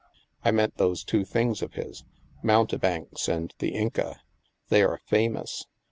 I meant those two things of his, ' Mountebanks ' and ' The Inca.' They are famous.